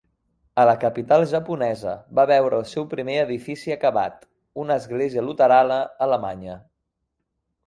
A la capital japonesa va veure el seu primer edifici acabat: una església luterana alemanya.